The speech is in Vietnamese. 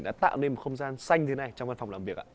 đã tạo nên một không gian xanh thế này trong văn phòng làm việc ạ